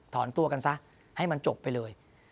ตัวกันซะให้มันจบไปเลย